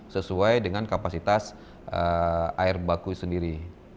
sesuai dengan kapasitas air baku sendiri